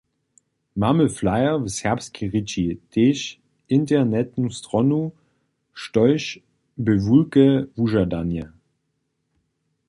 Mamy flajer w serbskej rěči, tež internetnu stronu, štož bě wulke wužadanje.